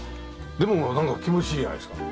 でもなんか気持ちいいじゃないですか。